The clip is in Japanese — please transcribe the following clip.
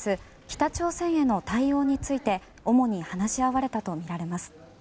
北朝鮮への対応について主に話し合われたとみられます。